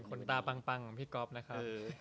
คุณตาปังปังของพี่ก๊อปนะครับ